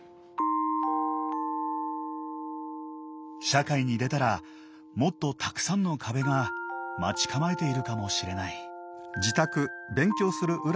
社会に出たらもっとたくさんの壁が待ち構えているかもしれない。